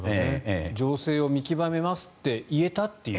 情勢を見極めますと言えたと。